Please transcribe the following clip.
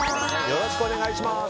よろしくお願いします。